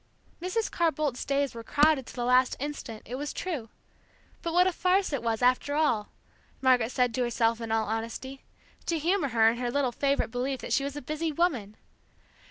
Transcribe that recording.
Mrs. Carr Boldt's days were crowded to the last instant, it was true; but what a farce it was, after all, Margaret said to herself in all honesty, to humor her in her little favorite belief that she was a busy woman!